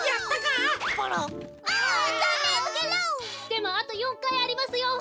でもあと４かいありますよ！